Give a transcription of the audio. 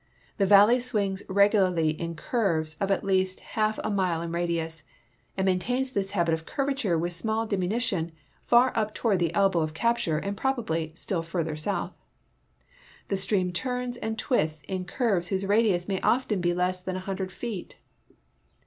The valley swings regularly in curves of at least half a mile in radius, and maintains this habit of curvature with small diminution far up toward the elbow of capture and probably still further south. The stream turns and twists in curves whose radius may often be less than a hundred feet.